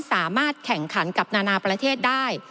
สามารถแข่งขันกับนานาประเทศได้